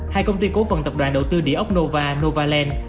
hai công ty cổ phận tập đoàn đầu tư địa ốc nova nova land